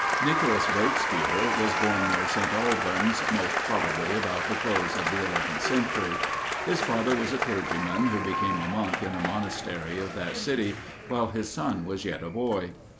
Nicholas Breakspere was born near St. Albans, most probably about the close of the 11th century. His father was a clergyman, who became a monk in the monastery of that city, while his son was yet a boy.